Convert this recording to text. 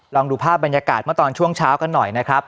ลองดูภาพบรรยากาศเมื่อตอนช่วงเช้ากันหน่อยนะครับ